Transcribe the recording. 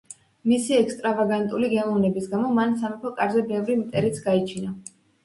მისი ექსტრავაგანტული გემოვნების გამო მან სამეფო კარზე ბევრი მტერიც გაიჩინა.